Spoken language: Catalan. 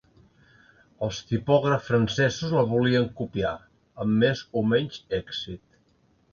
Els tipògrafs francesos la volien copiar, amb més o menys èxit.